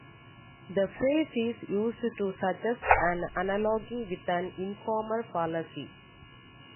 The phrase is used to suggest an analogy with an informal fallacy.